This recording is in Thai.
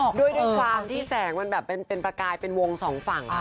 ด้วยความที่แสงมันแบบเป็นประกายเป็นวงสองฝั่ง